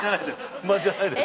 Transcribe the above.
不満じゃないです。